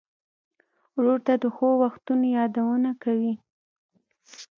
ورور ته د ښو وختونو یادونه کوې.